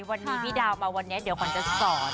วันนี้พี่ดาวมาเดี๋ยวควรจะสอน